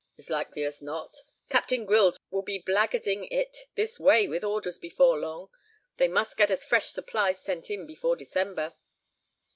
"As likely as not. Captain Grylls will be black guarding it this way with orders before long. They must get us fresh supplies sent in before December."